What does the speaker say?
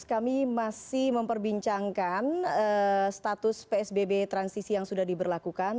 kami masih memperbincangkan status psbb transisi yang sudah diberlakukan